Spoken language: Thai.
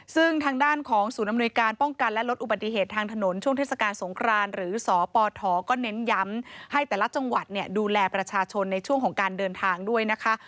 ซึ่งทางด้านของศูนย์อำนวยการป้องกันและลดอุบัติเหตุทางถนนช่วงเทศกาลสงครานหรือสปทก็เน้นย้ำให้แต่ละจังหวัดเนี่ยดูแลประชาชนในช่วงของการเดินทางด้วยนะคะ